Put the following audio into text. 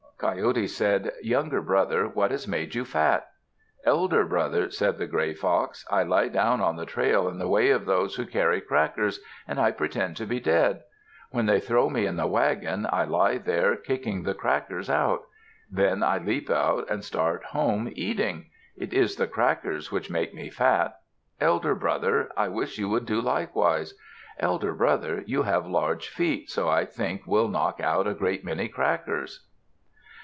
Coyote said, "Younger brother, what has made you fat?" "Elder brother," said the Gray Fox, "I lie down on the trail in the way of those who carry crackers, and I pretend to be dead. When they throw me in the wagon, I lie there, kicking the crackers out. Then I leap out and start home eating. It is the crackers which make me fat. Elder brother, I wish you would do likewise. Elder brother, you have large feet, so I think will knock out a great many crackers."